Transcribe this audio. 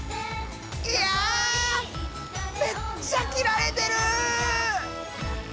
いやめっちゃ切られてる！